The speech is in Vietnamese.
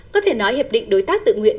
có thể nói hiệp định đối tác tự nguyện